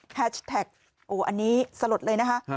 แฮชแท็กโอ้อันนี้สลดเลยนะคะ